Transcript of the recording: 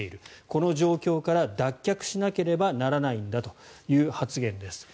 この状況から脱却しなければならないんだという発言です。